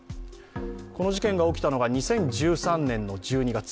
この事件が起きたのが２０１３年の１２月。